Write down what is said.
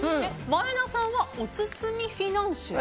前田さんはおつつみフィナンシェ。